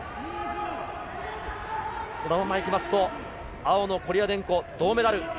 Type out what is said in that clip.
このままいきますと、青のコリアデンコ、銅メダル。